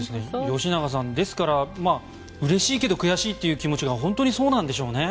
吉永さん、ですからうれしいけど悔しいという気持ちは本当にそうなんでしょうね。